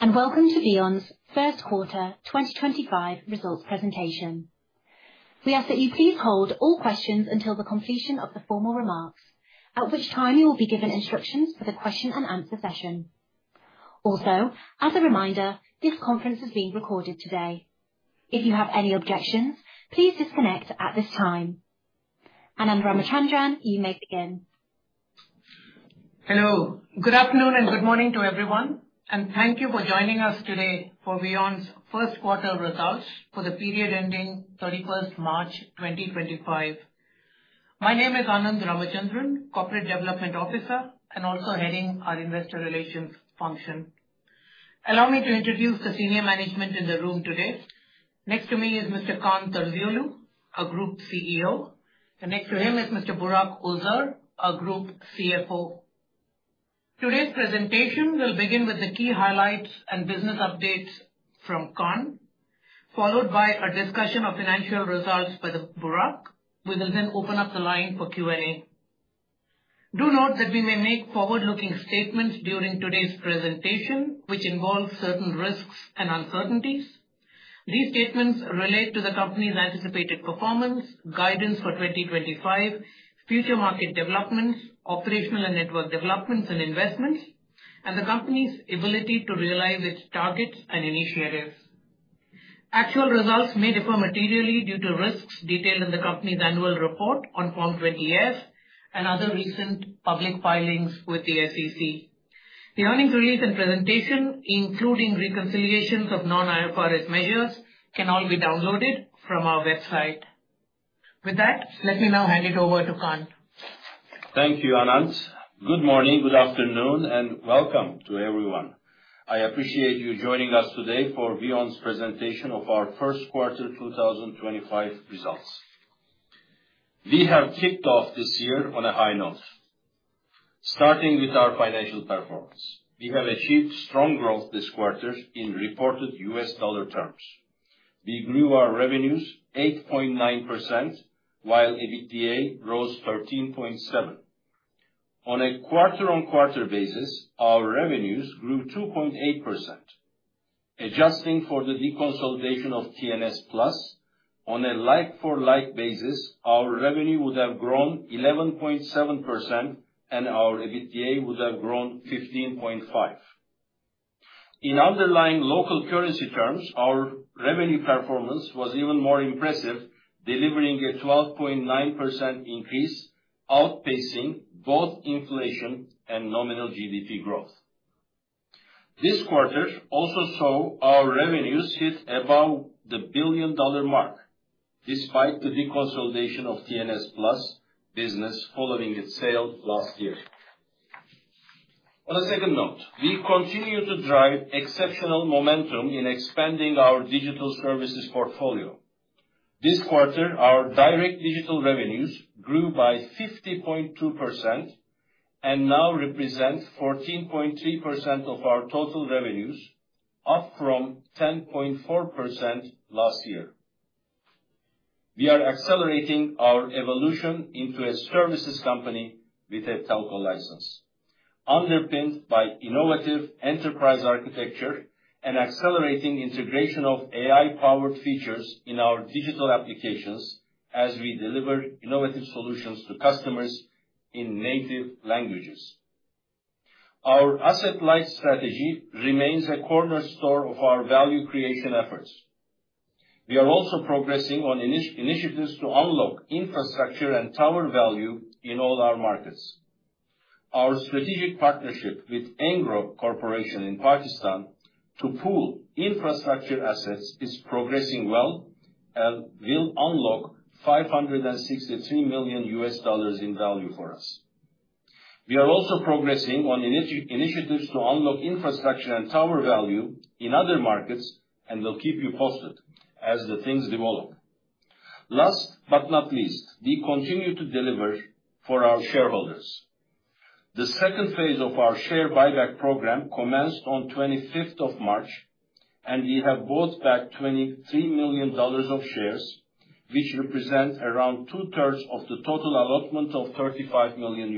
Hello, and welcome to VEON's First Quarter 2025 Results Presentation. We ask that you please hold all questions until the completion of the formal remarks, at which time you will be given instructions for the question-and-answer session. Also, as a reminder, this conference is being recorded today. If you have any objections, please disconnect at this time. Anand Ramachandran, you may begin. Hello, good afternoon and good morning to everyone, and thank you for joining us today for VEON's first quarter results for the period ending 31st March, 2025. My name is Anand Ramachandran, Corporate Development Officer, and also heading our Investor Relations function. Allow me to introduce the senior management in the room today. Next to me is Mr. Kaan Terzioğlu, Group CEO, and next to him is Mr. Burak Özer, Group CFO. Today's presentation will begin with the key highlights and business updates from Kaan, followed by a discussion of financial results by Burak. We will then open up the line for Q&A. Do note that we may make forward-looking statements during today's presentation, which involve certain risks and uncertainties. These statements relate to the company's anticipated performance, guidance for 2025, future market developments, operational and network developments and investments, and the company's ability to realize its targets and initiatives. Actual results may differ materially due to risks detailed in the company's annual report on Form 20-F and other recent public filings with the SEC. The earnings release and presentation, including reconciliations of non-IFRS measures, can all be downloaded from our website. With that, let me now hand it over to Kaan. Thank you, Anand. Good morning, good afternoon, and welcome to everyone. I appreciate you joining us today for VEON's presentation of our first quarter 2025 results. We have kicked off this year on a high note, starting with our financial performance. We have achieved strong growth this quarter in reported U.S. dollar terms. We grew our revenues 8.9%, while EBITDA rose 13.7%. On a quarter-on-quarter basis, our revenues grew 2.8%. Adjusting for the deconsolidation of T&S Plus, on a like-for-like basis, our revenue would have grown 11.7%, and our EBITDA would have grown 15.5%. In underlying local currency terms, our revenue performance was even more impressive, delivering a 12.9% increase, outpacing both inflation and nominal GDP growth. This quarter also saw our revenues hit above the billion-dollar mark, despite the deconsolidation of T&S Plus business following its sale last year. On a second note, we continue to drive exceptional momentum in expanding our digital services portfolio. This quarter, our direct digital revenues grew by 50.2% and now represents 14.3% of our total revenues, up from 10.4% last year. We are accelerating our evolution into a services company with a Telco license, underpinned by innovative enterprise architecture and accelerating integration of AI-powered features in our digital applications as we deliver innovative solutions to customers in native languages. Our asset-light strategy remains a cornerstone of our value creation efforts. We are also progressing on initiatives to unlock infrastructure and tower value in all our markets. Our strategic partnership with Engro Corporation in Pakistan to pool infrastructure assets is progressing well and will unlock $563 million in value for us. We are also progressing on initiatives to unlock infrastructure and tower value in other markets and will keep you posted as things develop. Last but not least, we continue to deliver for our shareholders. The second phase of our share buyback program commenced on March 25th, and we have bought back $23 million of shares, which represent around two-thirds of the total allotment of $35 million.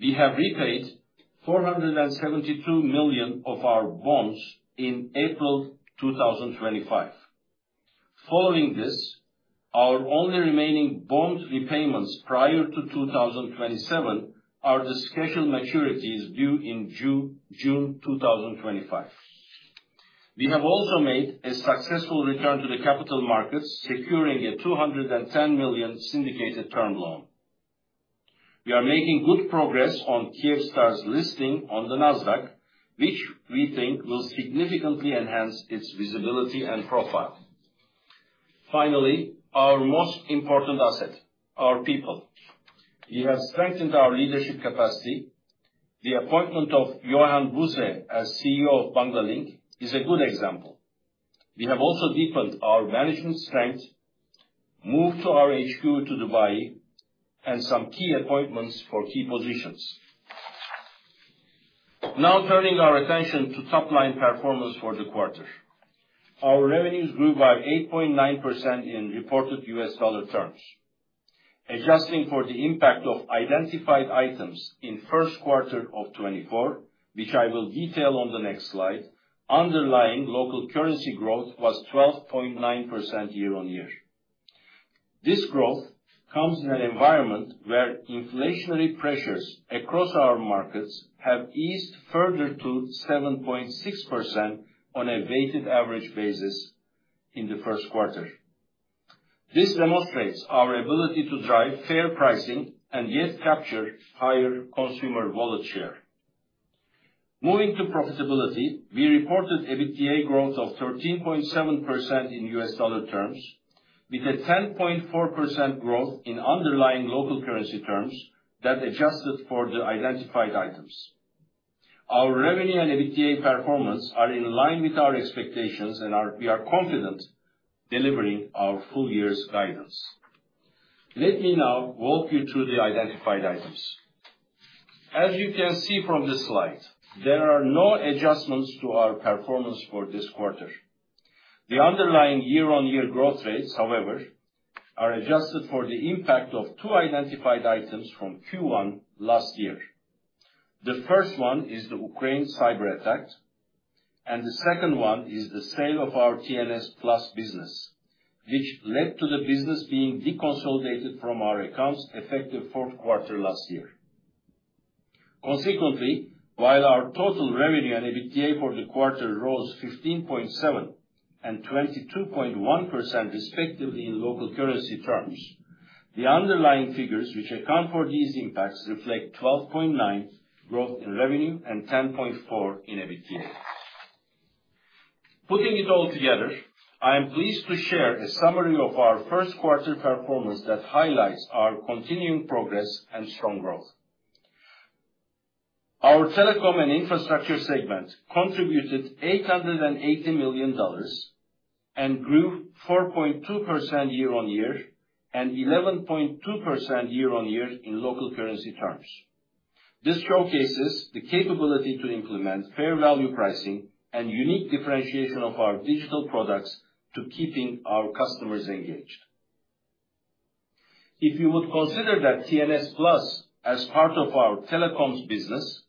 We have repaid $472 million of our bonds in April 2025. Following this, our only remaining bond repayments prior to 2027 are the special maturities due in June 2025. We have also made a successful return to the capital markets, securing a $210 million syndicated term loan. We are making good progress on Kyivstar's listing on the Nasdaq, which we think will significantly enhance its visibility and profile. Finally, our most important asset: our people. We have strengthened our leadership capacity. The appointment of Johan Buse as CEO of Banglalink is a good example. We have also deepened our management strength, moved our HQ to Dubai, and made some key appointments for key positions. Now turning our attention to top-line performance for the quarter. Our revenues grew by 8.9% in reported US dollar terms. Adjusting for the impact of identified items in the first quarter of 2024, which I will detail on the next slide, underlying local currency growth was 12.9% year-on-year. This growth comes in an environment where inflationary pressures across our markets have eased further to 7.6% on a weighted average basis in the first quarter. This demonstrates our ability to drive fair pricing and yet capture higher consumer wallet share. Moving to profitability, we reported EBITDA growth of 13.7% in U.S, dollar terms, with a 10.4% growth in underlying local currency terms that adjusted for the identified items. Our revenue and EBITDA performance are in line with our expectations, and we are confident in delivering our full year's guidance. Let me now walk you through the identified items. As you can see from this slide, there are no adjustments to our performance for this quarter. The underlying year-on-year growth rates, however, are adjusted for the impact of two identified items from Q1 last year. The first one is the Ukraine cyber attack, and the second one is the sale of our T&S Plus business, which led to the business being deconsolidated from our accounts effective fourth quarter last year. Consequently, while our total revenue and EBITDA for the quarter rose 15.7% and 22.1% respectively in local currency terms, the underlying figures which account for these impacts reflect 12.9% growth in revenue and 10.4% in EBITDA. Putting it all together, I am pleased to share a summary of our first quarter performance that highlights our continuing progress and strong growth. Our telecom and infrastructure segment contributed $880 million and grew 4.2% year-on-year and 11.2% year-on-year in local currency terms. This showcases the capability to implement fair value pricing and unique differentiation of our digital products to keep our customers engaged. If you would consider T&S Plus as part of our telecoms business,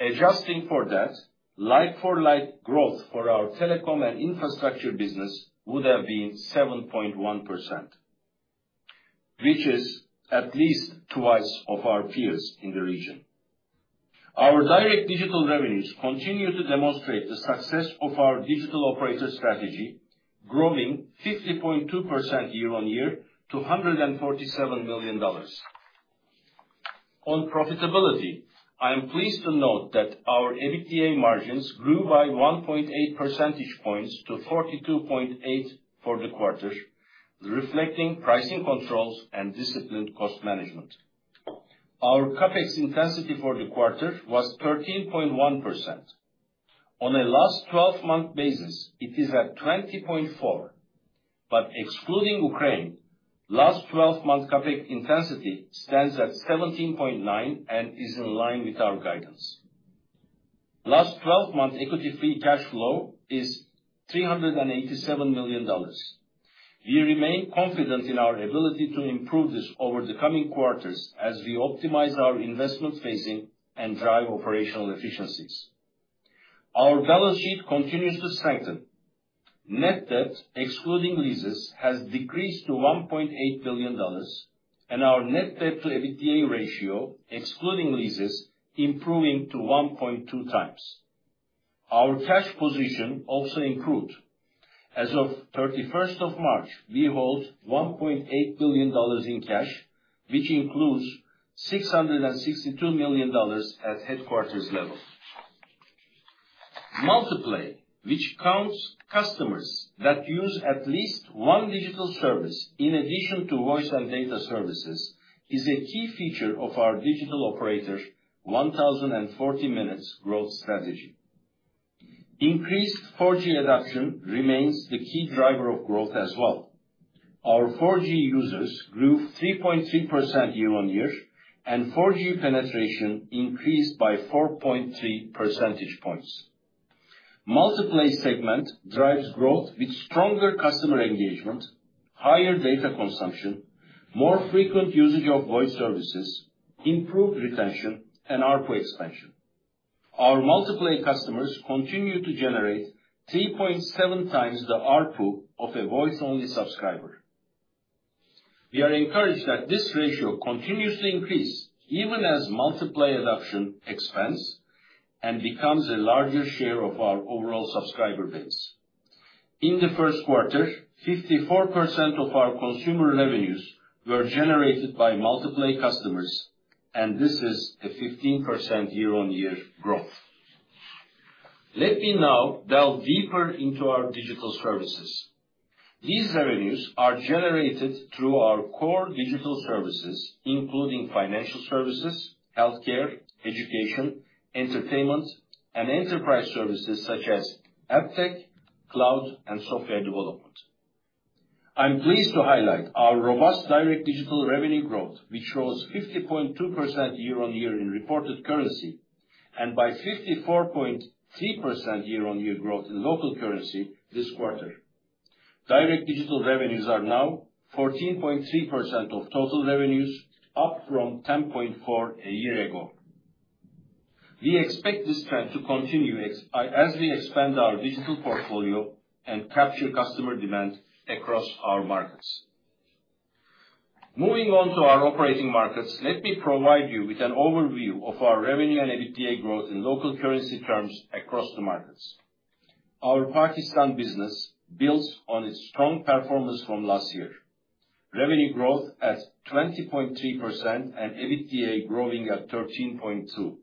adjusting for that, like-for-like growth for our telecom and infrastructure business would have been 7.1%, which is at least twice of our peers in the region. Our direct digital revenues continue to demonstrate the success of our digital operator strategy, growing 50.2% year-on-year to $147 million. On profitability, I am pleased to note that our EBITDA margins grew by 1.8 percentage points to 42.8% for the quarter, reflecting pricing controls and disciplined cost management. Our CAPEX intensity for the quarter was 13.1%. On a last 12-month basis, it is at 20.4%, but excluding Ukraine, last 12-month CapEx intensity stands at 17.9% and is in line with our guidance. Last 12-month equity-free cash flow is $387 million. We remain confident in our ability to improve this over the coming quarters as we optimize our investment phasing and drive operational efficiencies. Our balance sheet continues to strengthen. Net debt, excluding leases, has decreased to $1.8 billion, and our net debt-to-EBITDA ratio, excluding leases, is improving to 1.2 times. Our cash position also improved. As of 31st March, we hold $1.8 billion in cash, which includes $662 million at headquarters level. Multiplay, which counts customers that use at least one digital service in addition to voice and data services, is a key feature of our digital operator 1,040 minutes growth strategy. Increased 4G adoption remains the key driver of growth as well. Our 4G users grew 3.3% year-on-year, and 4G penetration increased by 4.3 percentage points. Multiplay segment drives growth with stronger customer engagement, higher data consumption, more frequent usage of voice services, improved retention, and ARPU expansion. Our Multiplay customers continue to generate 3.7 times the ARPU of a voice-only subscriber. We are encouraged that this ratio continues to increase even as Multiplay adoption expands and becomes a larger share of our overall subscriber base. In the first quarter, 54% of our consumer revenues were generated by Multiplay customers, and this is a 15% year-on-year growth. Let me now delve deeper into our digital services. These revenues are generated through our core digital services, including financial services, healthcare, education, entertainment, and enterprise services such as app tech, cloud, and software development. I'm pleased to highlight our robust direct digital revenue growth, which rose 50.2% year-on-year in reported currency and by 54.3% year-on-year growth in local currency this quarter. Direct digital revenues are now 14.3% of total revenues, up from 10.4% a year ago. We expect this trend to continue as we expand our digital portfolio and capture customer demand across our markets. Moving on to our operating markets, let me provide you with an overview of our revenue and EBITDA growth in local currency terms across the markets. Our Pakistan business builds on its strong performance from last year: revenue growth at 20.3% and EBITDA growing at 13.2%.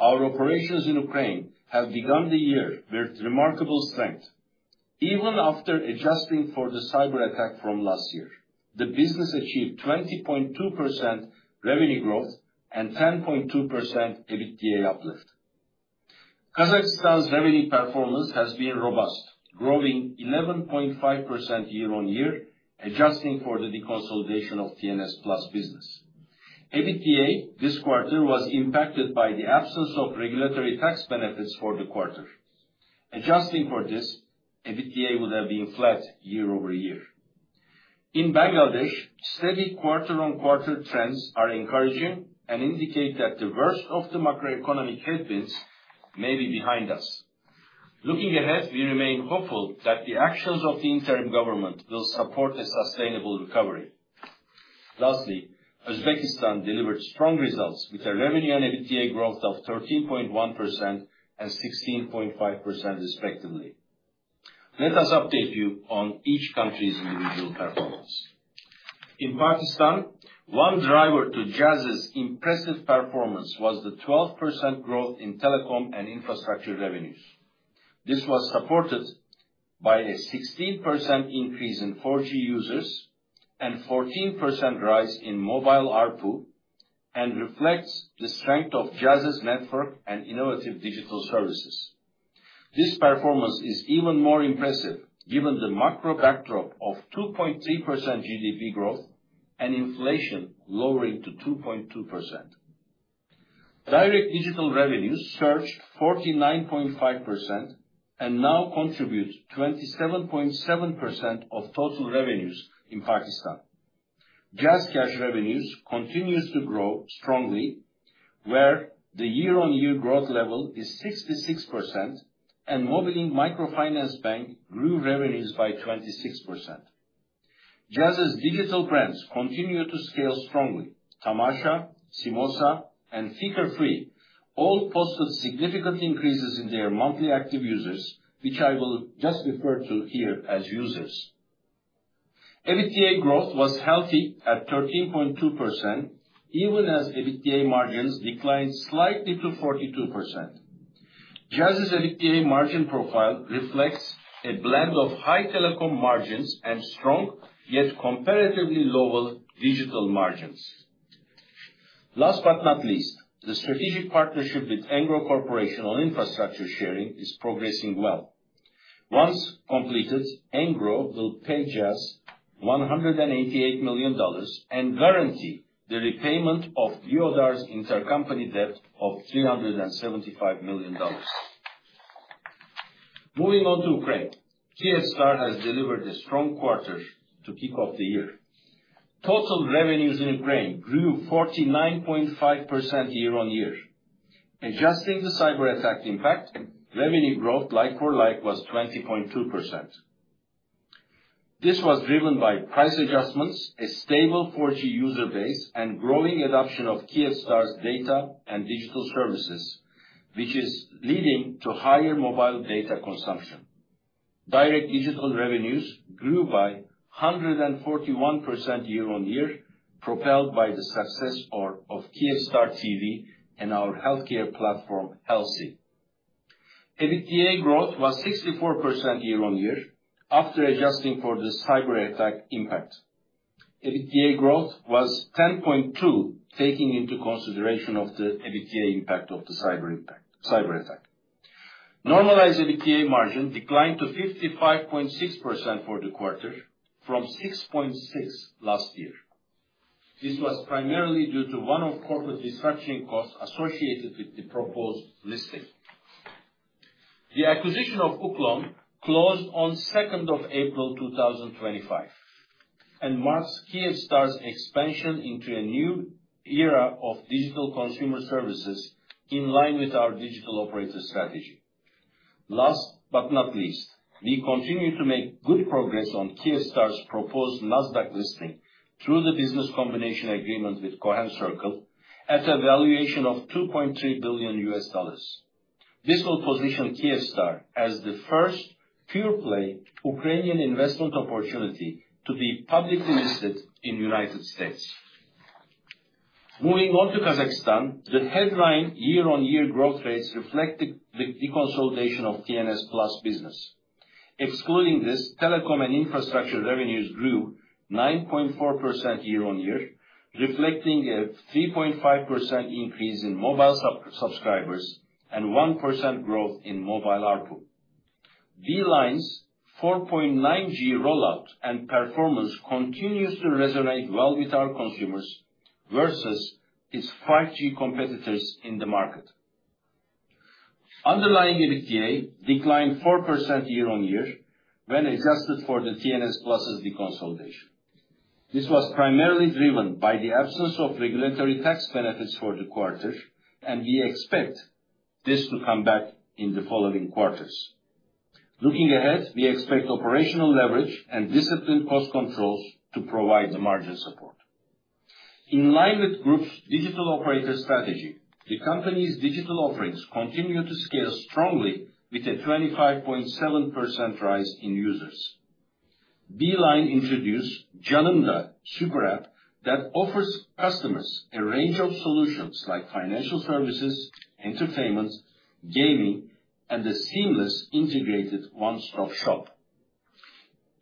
Our operations in Ukraine have begun the year with remarkable strength. Even after adjusting for the cyber attack from last year, the business achieved 20.2% revenue growth and 10.2% EBITDA uplift. Kazakhstan's revenue performance has been robust, growing 11.5% year-on-year, adjusting for the deconsolidation of T&S Plus business. EBITDA this quarter was impacted by the absence of regulatory tax benefits for the quarter. Adjusting for this, EBITDA would have been flat year-over-year. In Bangladesh, steady quarter-on-quarter trends are encouraging and indicate that the worst of the macroeconomic headwinds may be behind us. Looking ahead, we remain hopeful that the actions of the interim government will support a sustainable recovery. Lastly, Uzbekistan delivered strong results with a revenue and EBITDA growth of 13.1% and 16.5% respectively. Let us update you on each country's individual performance. In Pakistan, one driver to Jazz's impressive performance was the 12% growth in telecom and infrastructure revenues. This was supported by a 16% increase in 4G users and a 14% rise in mobile ARPU and reflects the strength of Jazz's network and innovative digital services. This performance is even more impressive given the macro backdrop of 2.3% GDP growth and inflation lowering to 2.2%. Direct digital revenues surged 49.5% and now contribute 27.7% of total revenues in Pakistan. JazzCash revenues continue to grow strongly, where the year-on-year growth level is 66%, and MobilInk Microfinance Bank grew revenues by 26%. Jazz's digital brands continue to scale strongly. Tamasha, SIMOSA, and FikrFree all posted significant increases in their monthly active users, which I will just refer to here as users. EBITDA growth was healthy at 13.2%, even as EBITDA margins declined slightly to 42%. Jazz's EBITDA margin profile reflects a blend of high telecom margins and strong yet comparatively low digital margins. Last but not least, the strategic partnership with Engro Corporation on infrastructure sharing is progressing well. Once completed, Engro will pay Jazz $188 million and guarantee the repayment of Deodar's intercompany debt of $375 million. Moving on to Ukraine, Kyivstar has delivered a strong quarter to kick off the year. Total revenues in Ukraine grew 49.5% year-on-year. Adjusting the cyber attack impact, revenue growth like-for-like was 20.2%. This was driven by price adjustments, a stable 4G user base, and growing adoption of Kyivstar's data and digital services, which is leading to higher mobile data consumption. Direct digital revenues grew by 141% year-on-year, propelled by the success of Kyivstar TV and our healthcare platform, HealthSee. EBITDA growth was 64% year-on-year after adjusting for the cyber attack impact. EBITDA growth was 10.2%, taking into consideration the EBITDA impact of the cyber attack. Normalized EBITDA margin declined to 55.6% for the quarter, from 66.6% last year. This was primarily due to one-off corporate restructuring costs associated with the proposed listing. The acquisition of Uklon closed on 2nd April 2025 and marks Kyivstar's expansion into a new era of digital consumer services in line with our digital operator strategy. Last but not least, we continue to make good progress on Kyivstar's proposed Nasdaq listing through the business combination agreement with Cohen Circle at a valuation of $2.3 billion. This will position Kyivstar as the first pure-play Ukrainian investment opportunity to be publicly listed in the United States. Moving on to Kazakhstan, the headline year-on-year growth rates reflect the deconsolidation of T&S Plus business. Excluding this, telecom and infrastructure revenues grew 9.4% year-on-year, reflecting a 3.5% increase in mobile subscribers and 1% growth in mobile ARPU. Beeline's 4.9G rollout and performance continues to resonate well with our consumers versus its 5G competitors in the market. Underlying EBITDA declined 4% year-on-year when adjusted for the T&S Plus's deconsolidation. This was primarily driven by the absence of regulatory tax benefits for the quarter, and we expect this to come back in the following quarters. Looking ahead, we expect operational leverage and disciplined cost controls to provide the margin support. In line with the group's digital operator strategy, the company's digital offerings continue to scale strongly with a 25.7% rise in users. Beeline introduced Janymda Super App that offers customers a range of solutions like financial services, entertainment, gaming, and a seamless integrated one-stop shop.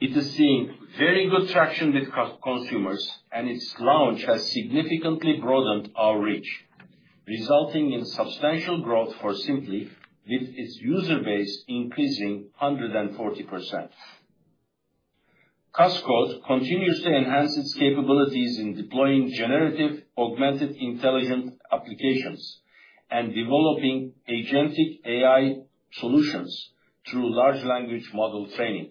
It is seeing very good traction with consumers, and its launch has significantly broadened our reach, resulting in substantial growth for Simply, with its user base increasing 140%. QazCode continues to enhance its capabilities in deploying generative augmented intelligence applications and developing agentic AI solutions through large language model training.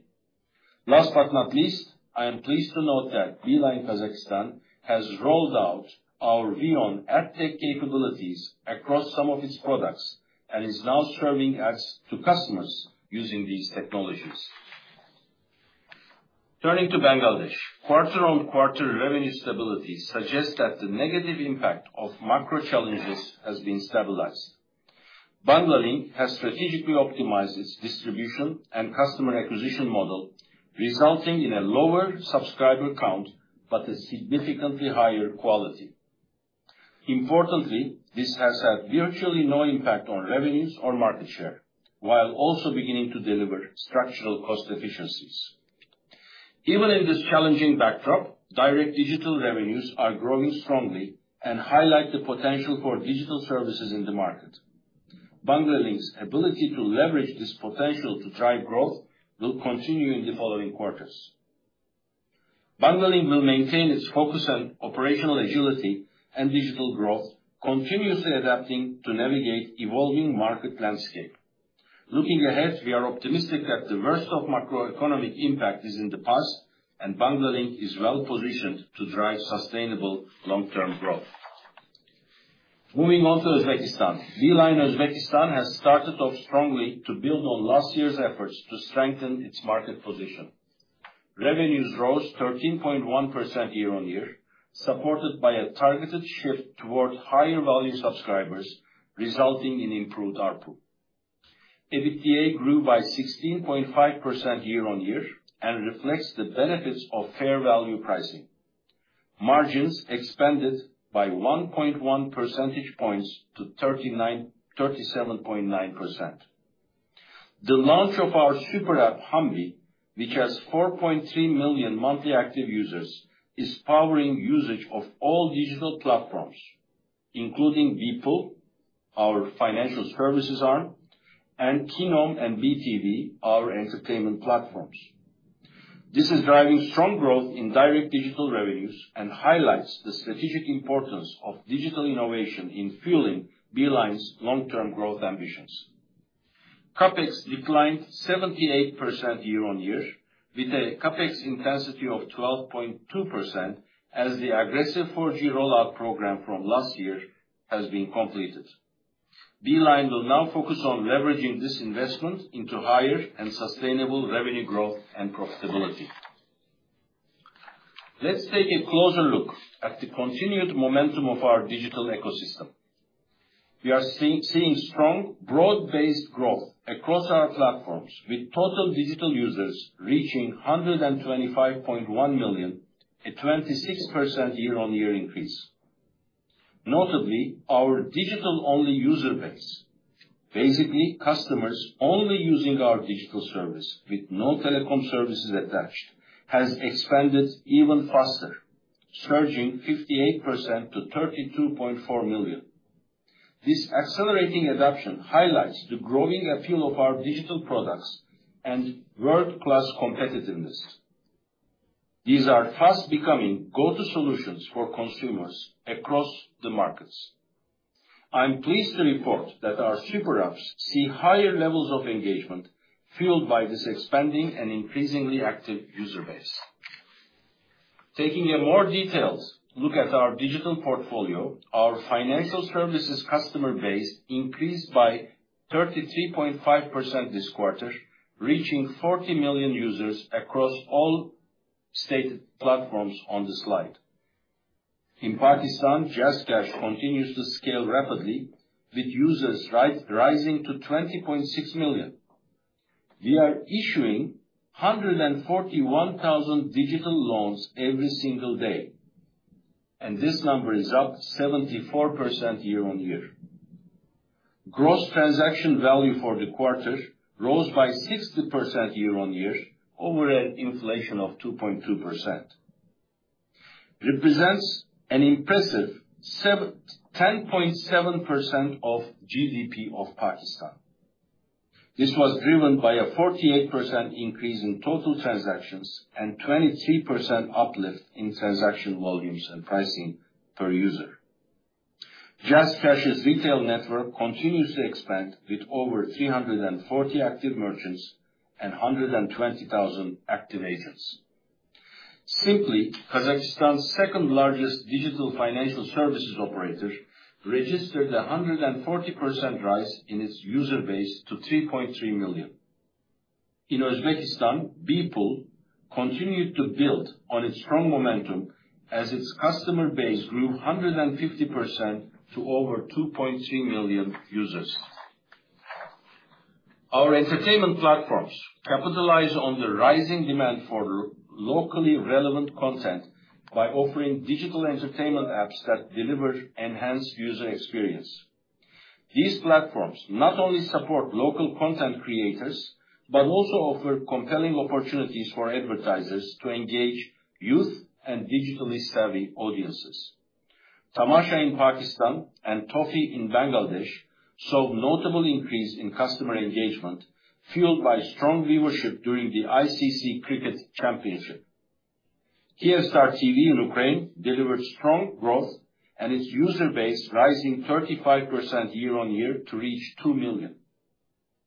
Last but not least, I am pleased to note that Beeline Kazakhstan has rolled out our VEON app tech capabilities across some of its products and is now serving ads to customers using these technologies. Turning to Bangladesh, quarter-on-quarter revenue stability suggests that the negative impact of macro challenges has been stabilized. Banglalink has strategically optimized its distribution and customer acquisition model, resulting in a lower subscriber count but a significantly higher quality. Importantly, this has had virtually no impact on revenues or market share, while also beginning to deliver structural cost efficiencies. Even in this challenging backdrop, direct digital revenues are growing strongly and highlight the potential for digital services in the market. Banglalink's ability to leverage this potential to drive growth will continue in the following quarters. Banglalink will maintain its focus on operational agility and digital growth, continuously adapting to navigate the evolving market landscape. Looking ahead, we are optimistic that the worst of macroeconomic impact is in the past, and Banglalink is well-positioned to drive sustainable long-term growth. Moving on to Uzbekistan, Beeline Uzbekistan has started off strongly to build on last year's efforts to strengthen its market position. Revenues rose 13.1% year-on-year, supported by a targeted shift toward higher-value subscribers, resulting in improved ARPU. EBITDA grew by 16.5% year-on-year and reflects the benefits of fair-value pricing. Margins expanded by 1.1 percentage points to 37.9%. The launch of our super app, Hambi, which has 4.3 million monthly active users, is powering usage of all digital platforms, including BPOL, our financial services arm, and KINOM and BTV, our entertainment platforms. This is driving strong growth in direct digital revenues and highlights the strategic importance of digital innovation in fueling Beeline's long-term growth ambitions. CapEx declined 78% year-on-year, with a CapEx intensity of 12.2% as the aggressive 4G rollout program from last year has been completed. Beeline will now focus on leveraging this investment into higher and sustainable revenue growth and profitability. Let's take a closer look at the continued momentum of our digital ecosystem. We are seeing strong broad-based growth across our platforms, with total digital users reaching 125.1 million, a 26% year-on-year increase. Notably, our digital-only user base, basically customers only using our digital service with no telecom services attached, has expanded even faster, surging 58% to 32.4 million. This accelerating adoption highlights the growing appeal of our digital products and world-class competitiveness. These are fast becoming go-to solutions for consumers across the markets. I am pleased to report that our super apps see higher levels of engagement fueled by this expanding and increasingly active user base. Taking a more detailed look at our digital portfolio, our financial services customer base increased by 33.5% this quarter, reaching 40 million users across all stated platforms on the slide. In Pakistan, JazzCash continues to scale rapidly, with users rising to 20.6 million. We are issuing 141,000 digital loans every single day, and this number is up 74% year-on-year. Gross transaction value for the quarter rose by 60% year-on-year over an inflation of 2.2%. It represents an impressive 10.7% of GDP of Pakistan. This was driven by a 48% increase in total transactions and a 23% uplift in transaction volumes and pricing per user. JazzCash's retail network continues to expand with over 340 active merchants and 120,000 active agents. Simply, Kazakhstan's second-largest digital financial services operator, registered a 140% rise in its user base to 3.3 million. In Uzbekistan, BPOL continued to build on its strong momentum as its customer base grew 150% to over 2.3 million users. Our entertainment platforms capitalize on the rising demand for locally relevant content by offering digital entertainment apps that deliver enhanced user experience. These platforms not only support local content creators but also offer compelling opportunities for advertisers to engage youth and digitally savvy audiences. Tamasha in Pakistan and Toffee in Bangladesh saw a notable increase in customer engagement fueled by strong viewership during the ICC Cricket Championship. Kyivstar TV in Ukraine delivered strong growth and its user base rising 35% year-on-year to reach 2 million.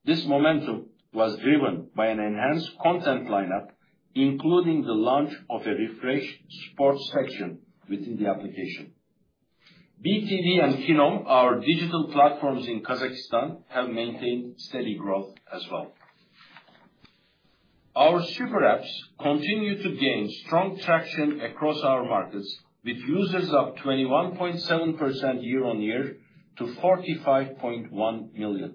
This momentum was driven by an enhanced content lineup, including the launch of a refreshed sports section within the application. BTV and KINOM, our digital platforms in Kazakhstan, have maintained steady growth as well. Our super apps continue to gain strong traction across our markets, with users up 21.7% year-on-year to 45.1 million.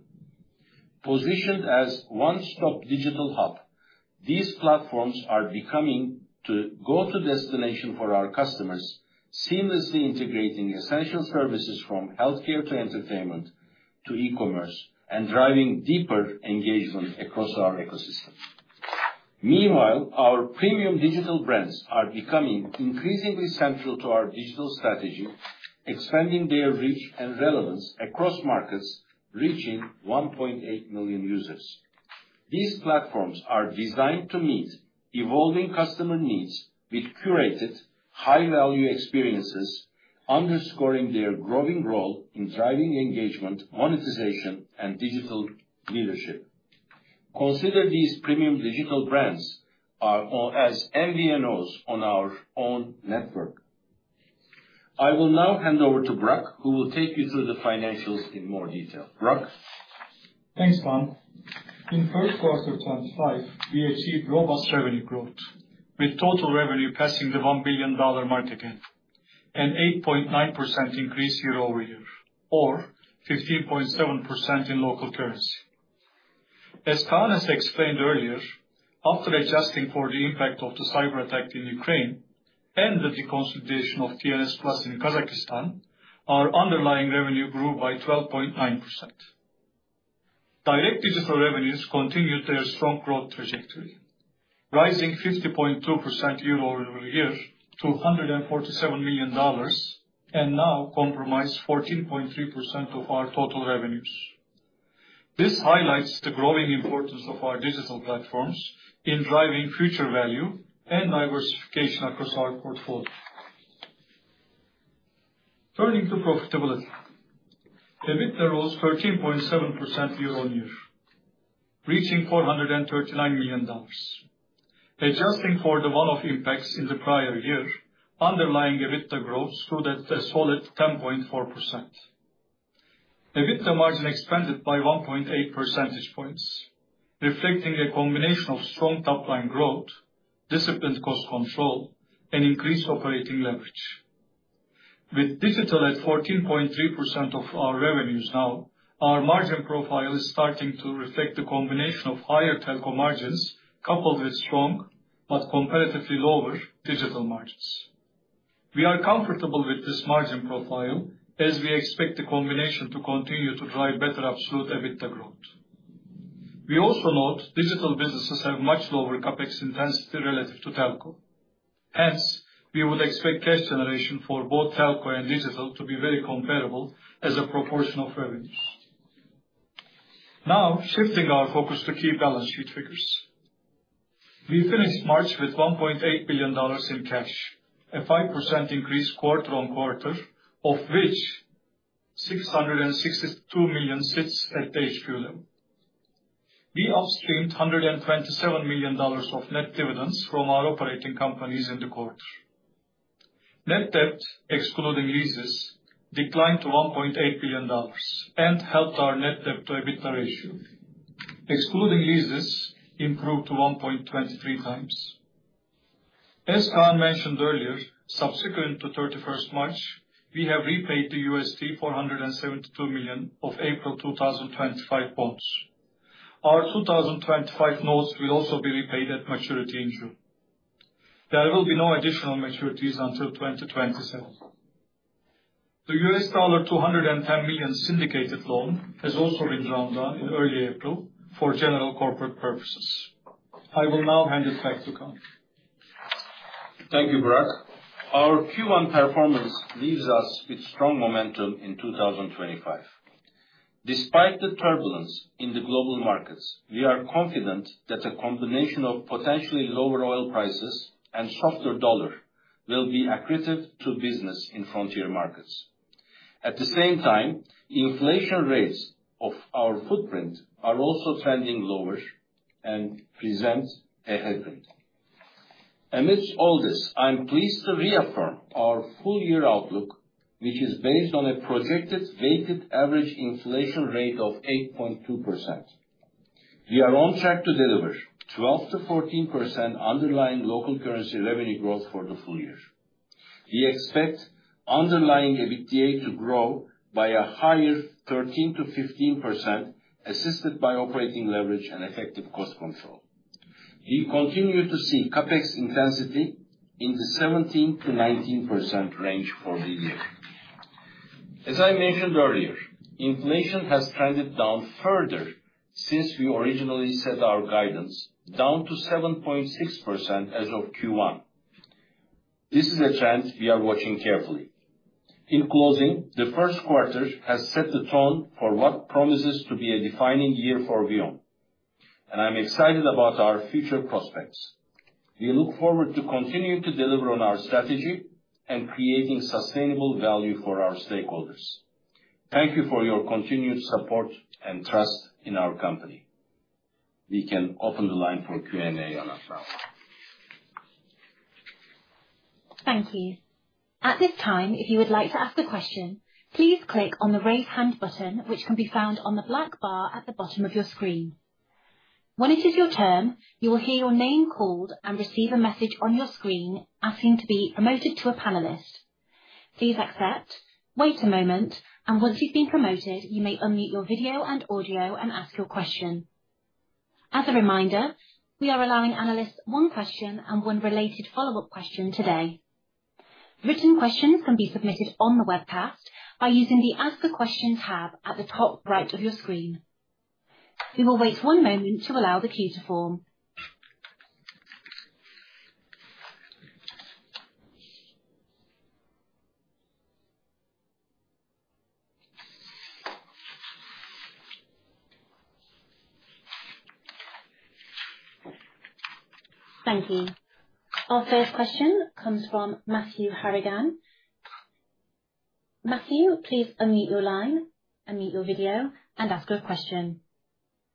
Positioned as a one-stop digital hub, these platforms are becoming the go-to destination for our customers, seamlessly integrating essential services from healthcare to entertainment to e-commerce and driving deeper engagement across our ecosystem. Meanwhile, our premium digital brands are becoming increasingly central to our digital strategy, expanding their reach and relevance across markets, reaching 1.8 million users. These platforms are designed to meet evolving customer needs with curated, high-value experiences, underscoring their growing role in driving engagement, monetization, and digital leadership. Consider these premium digital brands as MVNOs on our own network. I will now hand over to Burak, who will take you through the financials in more detail. Burak. Thanks, Kaan. In the first quarter of 2025, we achieved robust revenue growth, with total revenue passing the $1 billion mark and an 8.9% increase year-over-year, or 15.7% in local currency. As Kaan has explained earlier, after adjusting for the impact of the cyber attack in Ukraine and the deconsolidation of T&S Plus in Kazakhstan, our underlying revenue grew by 12.9%. Direct digital revenues continued their strong growth trajectory, rising 50.2% year-over-year to $147 million and now comprising 14.3% of our total revenues. This highlights the growing importance of our digital platforms in driving future value and diversification across our portfolio. Turning to profitability, EBITDA rose 13.7% year-on-year, reaching $439 million. Adjusting for the one-off impacts in the prior year, underlying EBITDA growth stood at a solid 10.4%. EBITDA margin expanded by 1.8 percentage points, reflecting a combination of strong top-line growth, disciplined cost control, and increased operating leverage. With digital at 14.3% of our revenues now, our margin profile is starting to reflect the combination of higher telco margins coupled with strong but comparatively lower digital margins. We are comfortable with this margin profile as we expect the combination to continue to drive better absolute EBITDA growth. We also note digital businesses have much lower CapEx intensity relative to telco. Hence, we would expect cash generation for both telco and digital to be very comparable as a proportion of revenues. Now, shifting our focus to key balance sheet figures. We finished March with $1.8 billion in cash, a 5% increase quarter-on-quarter, of which $662 million sits at the HQ level. We upstreamed $127 million of net dividends from our operating companies in the quarter. Net debt, excluding leases, declined to $1.8 billion and helped our net debt-to-EBITDA ratio. Excluding leases, it improved to 1.23 times. As Kaan mentioned earlier, subsequent to 31st March, we have repaid the $472 million of April 2025 bonds. Our 2025 notes will also be repaid at maturity in June. There will be no additional maturities until 2027. The $210 million syndicated loan has also been drawn down in early April for general corporate purposes. I will now hand it back to Kaan. Thank you, Burak. Our Q1 performance leaves us with strong momentum in 2025. Despite the turbulence in the global markets, we are confident that a combination of potentially lower oil prices and a softer dollar will be accretive to business in frontier markets. At the same time, inflation rates of our footprint are also trending lower and present a headwind. Amidst all this, I am pleased to reaffirm our full-year outlook, which is based on a projected weighted average inflation rate of 8.2%. We are on track to deliver 12%-14% underlying local currency revenue growth for the full year. We expect underlying EBITDA to grow by a higher 13%-15%, assisted by operating leverage and effective cost control. We continue to see CapEx intensity in the 17%-19% range for the year. As I mentioned earlier, inflation has trended down further since we originally set our guidance down to 7.6% as of Q1. This is a trend we are watching carefully. In closing, the first quarter has set the tone for what promises to be a defining year for VEON, and I am excited about our future prospects. We look forward to continuing to deliver on our strategy and creating sustainable value for our stakeholders. Thank you for your continued support and trust in our company. We can open the line for Q&A on that now. Thank you. At this time, if you would like to ask a question, please click on the raise hand button, which can be found on the black bar at the bottom of your screen. When it is your turn, you will hear your name called and receive a message on your screen asking to be promoted to a panelist. Please accept, wait a moment, and once you've been promoted, you may unmute your video and audio and ask your question. As a reminder, we are allowing analysts one question and one related follow-up question today. Written questions can be submitted on the webcast by using the Ask a Question tab at the top right of your screen. We will wait one moment to allow the queue to form. Thank you. Our first question comes from Matthew Harrigan. Matthew, please unmute your line, unmute your video, and ask your question.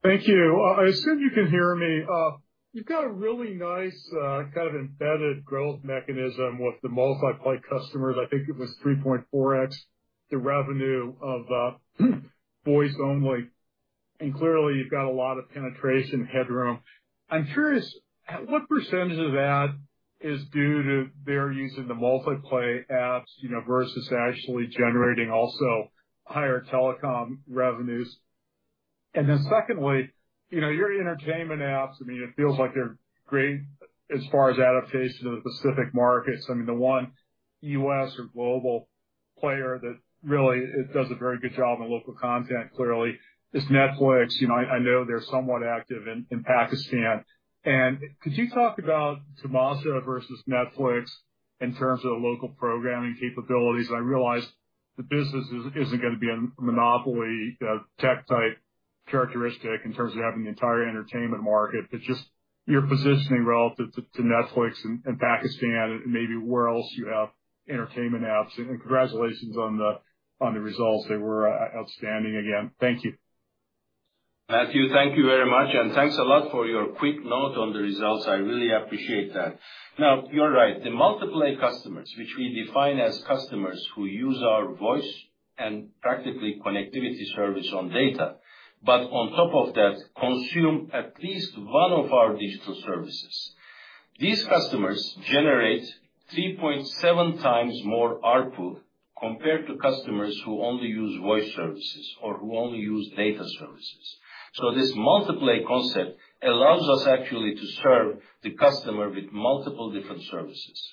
Thank you. I assume you can hear me. You've got a really nice kind of embedded growth mechanism with the Multiplay customers. I think it was 3.4x the revenue of voice only. Clearly, you've got a lot of penetration headroom. I'm curious, what percentage of that is due to their using the Multiplay apps versus actually generating also higher telecom revenues? Secondly, your entertainment apps, I mean, it feels like they're great as far as adaptation to the specific markets. I mean, the one U.S. or global player that really does a very good job on local content clearly is Netflix. I know they're somewhat active in Pakistan. Could you talk about Tamasha versus Netflix in terms of the local programming capabilities? I realize the business isn't going to be a monopoly tech-type characteristic in terms of having the entire entertainment market, but just your positioning relative to Netflix in Pakistan and maybe where else you have entertainment apps. Congratulations on the results. They were outstanding again. Thank you. Matthew, thank you very much. Thanks a lot for your quick note on the results. I really appreciate that. You're right. The multiplay customers, which we define as customers who use our voice and practically connectivity service on data, but on top of that, consume at least one of our digital services. These customers generate 3.7 times more ARPU compared to customers who only use voice services or who only use data services. This multiplay concept allows us actually to serve the customer with multiple different services.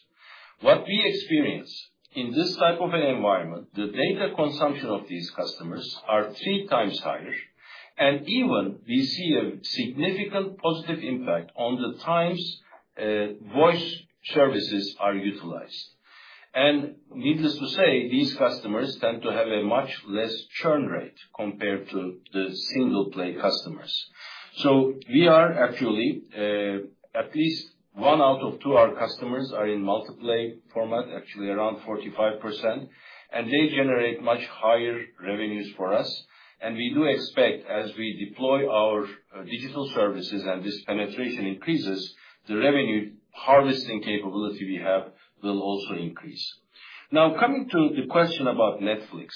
What we experience in this type of an environment, the data consumption of these customers is three times higher. Even we see a significant positive impact on the times voice services are utilized. Needless to say, these customers tend to have a much less churn rate compared to the single-play customers. We are actually at least one out of two of our customers are in multiplay format, actually around 45%. They generate much higher revenues for us. We do expect as we deploy our digital services and this penetration increases, the revenue harvesting capability we have will also increase. Now, coming to the question about Netflix,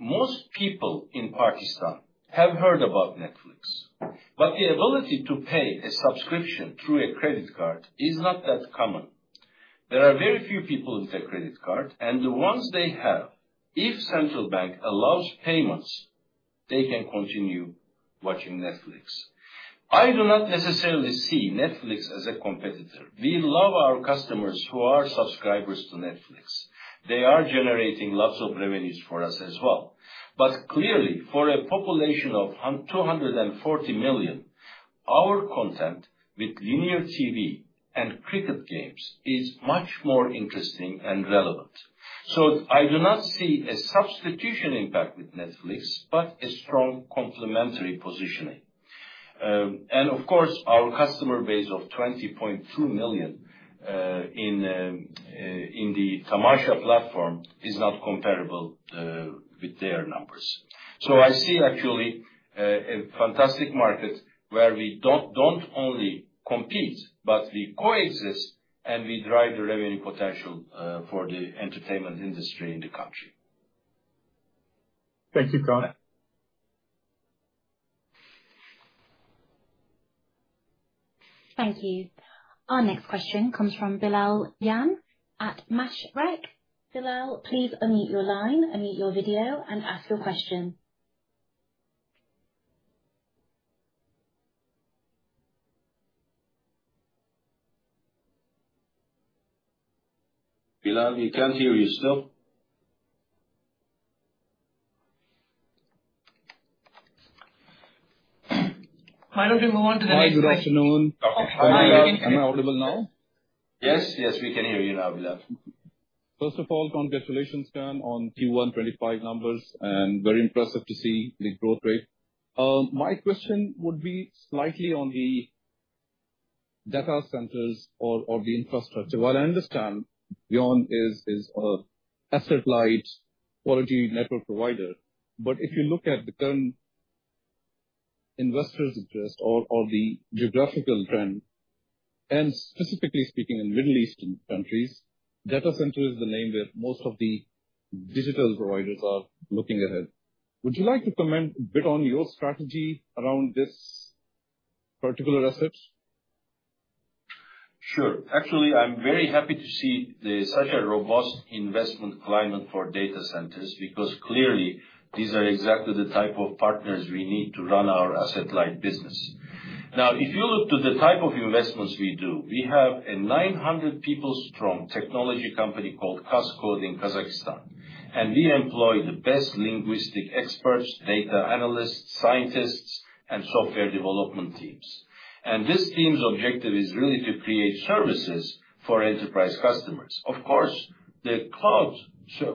most people in Pakistan have heard about Netflix. The ability to pay a subscription through a credit card is not that common. There are very few people with a credit card. The ones they have, if Central Bank allows payments, they can continue watching Netflix. I do not necessarily see Netflix as a competitor. We love our customers who are subscribers to Netflix. They are generating lots of revenues for us as well. But clearly, for a population of 240 million, our content with linear TV and cricket games is much more interesting and relevant. I do not see a substitution impact with Netflix, but a strong complementary positioning. Of course, our customer base of 20.2 million in the Tamasha platform is not comparable with their numbers. I see actually a fantastic market where we do not only compete, but we coexist and we drive the revenue potential for the entertainment industry in the country. Thank you, Kaan. Thank you. Our next question comes from Bilal Jan at Mashreq. Bilal, please unmute your line, unmute your video, and ask your question. Bilal, we cannot hear you still. Why do we not move on to the next question? Hi, good afternoon. Am I audible now? Yes, yes, we can hear you now, Bilal. First of all, congratulations, Kaan, on Q1 2025 numbers. Very impressive to see the growth rate. My question would be slightly on the data centers or the infrastructure. While I understand VEON is an asset-light quality network provider, if you look at the current investors' interest or the geographical trend, and specifically speaking in Middle Eastern countries, data center is the name that most of the digital providers are looking ahead. Would you like to comment a bit on your strategy around this particular asset? Sure. Actually, I am very happy to see such a robust investment climate for data centers because clearly, these are exactly the type of partners we need to run our asset-light business. Now, if you look to the type of investments we do, we have a 900-people-strong technology company called QazCode in Kazakhstan. We employ the best linguistic experts, data analysts, scientists, and software development teams. This team's objective is really to create services for enterprise customers. Of course, the cloud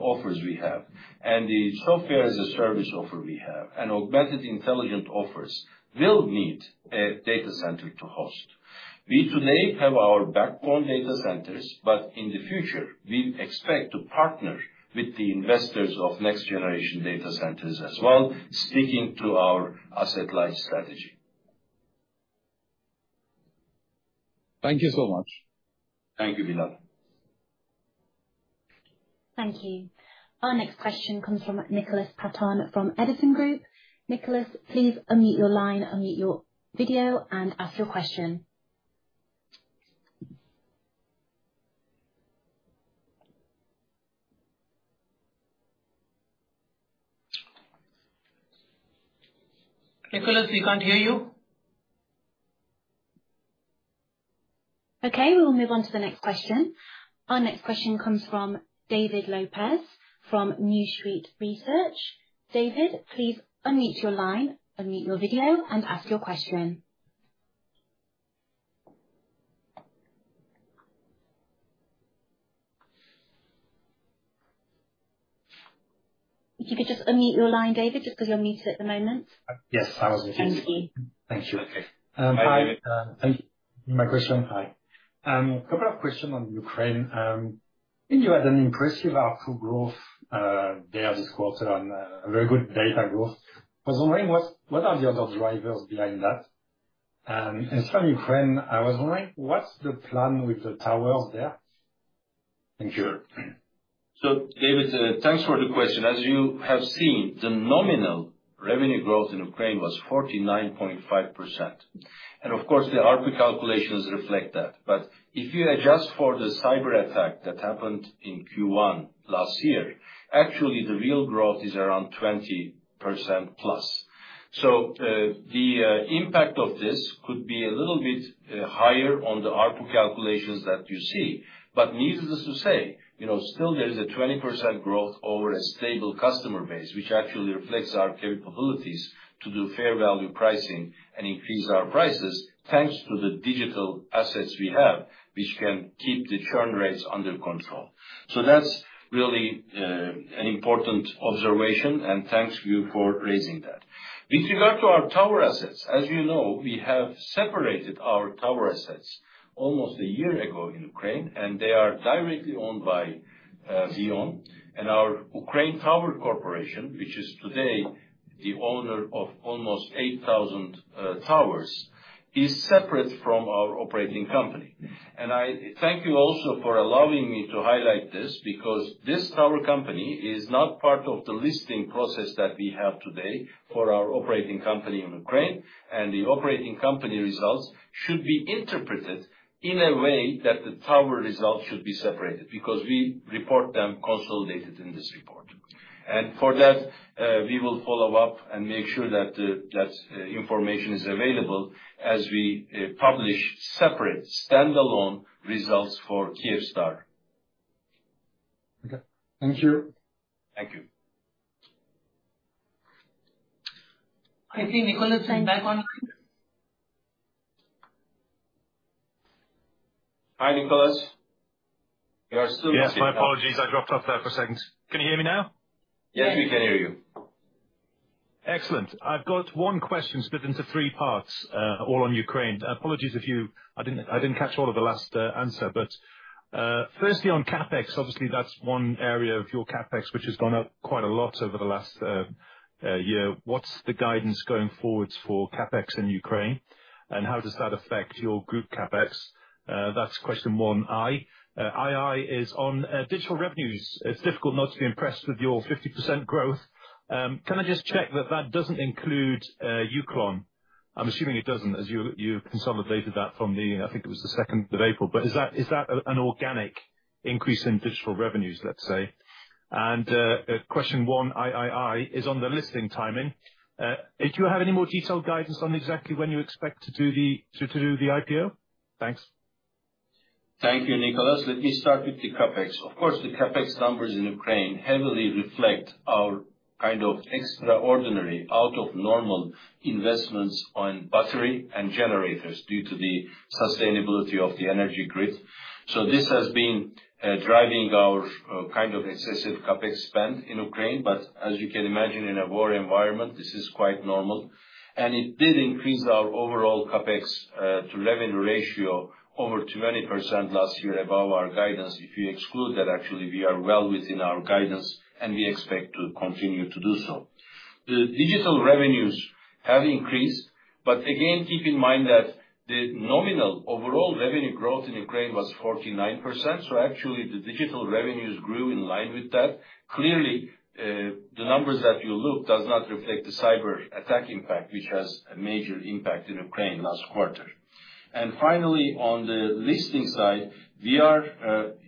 offers we have and the software as a service offer we have and augmented intelligence offers will need a data center to host. We today have our backbone data centers, but in the future, we expect to partner with the investors of next-generation data centers as well, sticking to our asset-light strategy. Thank you so much. Thank you, Bilal. Thank you. Our next question comes from Nicholas Paton from Edison Group. Nicholas, please unmute your line, unmute your video, and ask your question. Nicholas, we can't hear you. Okay, we will move on to the next question. Our next question comes from David Lopez from New Street Research. David, please unmute your line, unmute your video, and ask your question. If you could just unmute your line, David, just because you're muted at the moment. Yes, I was muted. Thank you. Thank you. Okay. Hi. My question, hi. A couple of questions on Ukraine. You had an impressive ARPU growth there this quarter and very good data growth. I was wondering what are the other drivers behind that? And from Ukraine, I was wondering what's the plan with the towers there? Thank you. David, thanks for the question. As you have seen, the nominal revenue growth in Ukraine was 49.5%. Of course, the ARPU calculations reflect that. If you adjust for the cyber attack that happened in Q1 last year, actually the real growth is around 20%+. The impact of this could be a little bit higher on the ARPU calculations that you see. Needless to say, still there is a 20% growth over a stable customer base, which actually reflects our capabilities to do fair value pricing and increase our prices thanks to the digital assets we have, which can keep the churn rates under control. That is really an important observation, and thanks for raising that. With regard to our tower assets, as you know, we have separated our tower assets almost a year ago in Ukraine, and they are directly owned by VEON. Our Ukraine Tower Corporation, which is today the owner of almost 8,000 towers, is separate from our operating company. I thank you also for allowing me to highlight this because this tower company is not part of the listing process that we have today for our operating company in Ukraine. The operating company results should be interpreted in a way that the tower results should be separated because we report them consolidated in this report. For that, we will follow up and make sure that information is available as we publish separate standalone results for Kyivstar. Okay. Thank you. Thank you. I see Nicholas is back online. Hi, Nicholas. We are still listening. Yes, my apologies. I dropped off there for a second. Can you hear me now? Yes, we can hear you. Excellent. I've got one question split into three parts, all on Ukraine. Apologies if I did not catch all of the last answer. Firstly, on CapEx, obviously, that is one area of your CapEx which has gone up quite a lot over the last year. What is the guidance going forward for CapEx in Ukraine? How does that affect your group CapEx? That's question one I. II is on digital revenues. It's difficult not to be impressed with your 50% growth. Can I just check that that doesn't include Uklon? I'm assuming it doesn't, as you consolidated that from the, I think it was the 2nd of April. Is that an organic increase in digital revenues, let's say? And question one, III is on the listing timing. Do you have any more detailed guidance on exactly when you expect to do the IPO? Thanks. Thank you, Nicholas. Let me start with the CapEx. Of course, the CapEx numbers in Ukraine heavily reflect our kind of extraordinary, out-of-normal investments on battery and generators due to the sustainability of the energy grid. This has been driving our kind of excessive CapEx spend in Ukraine. As you can imagine, in a war environment, this is quite normal. It did increase our overall CapEx to revenue ratio over 20% last year above our guidance. If you exclude that, actually, we are well within our guidance, and we expect to continue to do so. The digital revenues have increased. Again, keep in mind that the nominal overall revenue growth in Ukraine was 49%. Actually, the digital revenues grew in line with that. Clearly, the numbers that you looked at do not reflect the cyber attack impact, which has a major impact in Ukraine last quarter. Finally, on the listing side, we are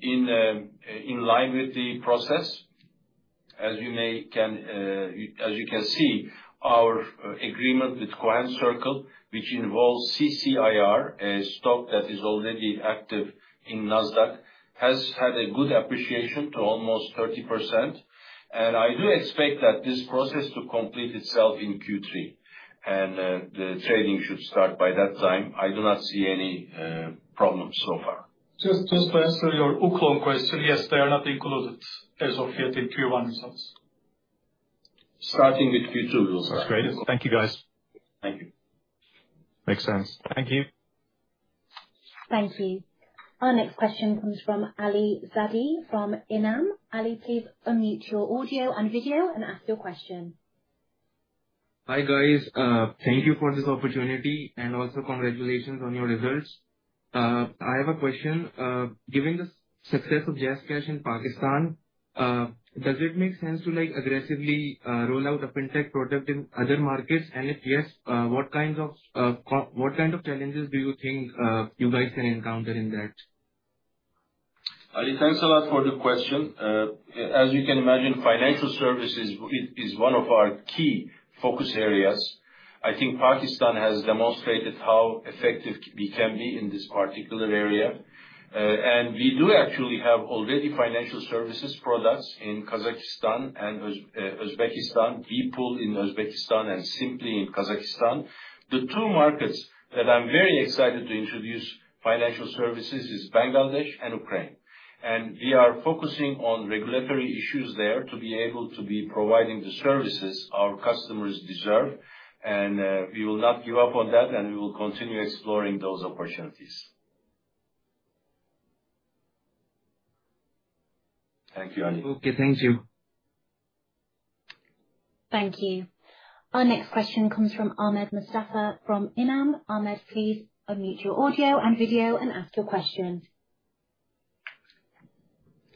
in line with the process. As you can see, our agreement with Cohen Circle, which involves CCIR, a stock that is already active in NASDAQ, has had a good appreciation to almost 30%. I do expect that this process to complete itself in Q3. The trading should start by that time. I do not see any problems so far. Just to answer your Uklon question, yes, they are not included as of yet in Q1 results. Starting with Q2, we will start. That's great. Thank you, guys. Thank you. Makes sense. Thank you. Thank you. Our next question comes from Ali Zaidi from INAM. Ali, please unmute your audio and video and ask your question. Hi, guys. Thank you for this opportunity. And also, congratulations on your results. I have a question. Given the success of JazzCash in Pakistan, does it make sense to aggressively roll out a fintech product in other markets? And if yes, what kind of challenges do you think you guys can encounter in that? Ali, thanks a lot for the question. As you can imagine, financial services is one of our key focus areas. I think Pakistan has demonstrated how effective we can be in this particular area. We do actually have already financial services products in Kazakhstan and Uzbekistan, BPOL in Uzbekistan and Simply in Kazakhstan. The two markets that I'm very excited to introduce financial services are Bangladesh and Ukraine. We are focusing on regulatory issues there to be able to be providing the services our customers deserve. We will not give up on that, and we will continue exploring those opportunities. Thank you, Ali. Okay, thank you. Thank you. Our next question comes from Ahmed Mustafa from INAM. Ahmed, please unmute your audio and video and ask your question.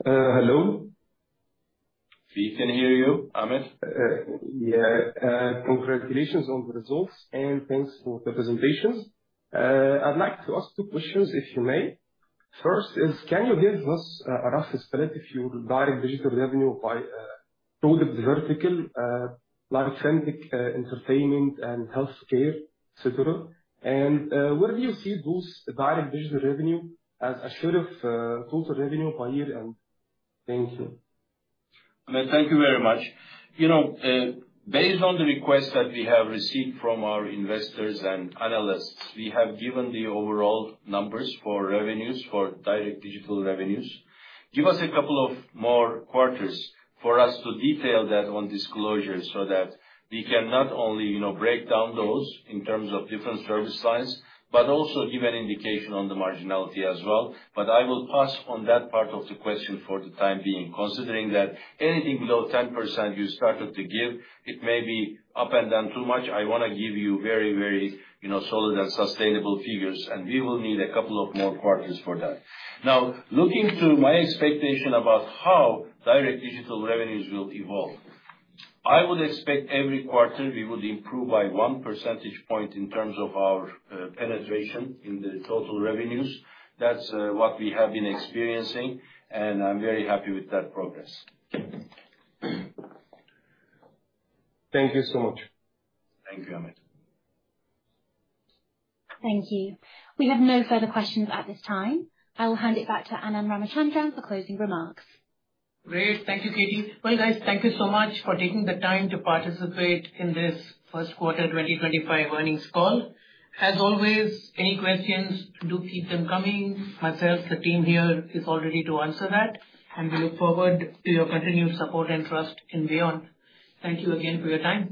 Hello. We can hear you, Ahmed. Yeah. Congratulations on the results, and thanks for the presentation. I'd like to ask two questions, if you may. First is, can you give us a rough estimate if you would direct digital revenue by product vertical like fintech, entertainment, and healthcare, etc.? Where do you see those direct digital revenue as a share of total revenue by year-end? Thank you. Thank you very much. Based on the request that we have received from our investors and analysts, we have given the overall numbers for revenues for direct digital revenues. Give us a couple of more quarters for us to detail that on disclosure so that we can not only break down those in terms of different service lines, but also give an indication on the marginality as well. I will pass on that part of the question for the time being, considering that anything below 10% you started to give, it may be up and down too much. I want to give you very, very solid and sustainable figures, and we will need a couple of more quarters for that. Now, looking to my expectation about how direct digital revenues will evolve, I would expect every quarter we would improve by one percentage point in terms of our penetration in the total revenues. That's what we have been experiencing, and I'm very happy with that progress. Thank you so much. Thank you, Ahmed. Thank you. We have no further questions at this time. I will hand it back to Anand Ramachandran for closing remarks. Great. Thank you, Katie. Guys, thank you so much for taking the time to participate in this first quarter 2025 earnings call. As always, any questions, do keep them coming. Myself, the team here is already to answer that, and we look forward to your continued support and trust in VEON. Thank you again for your time.